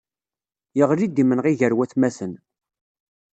Yeɣli-d imenɣi ger watmaten.